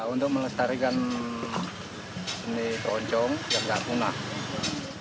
untuk melestarikan seni keroncong yang tidak punah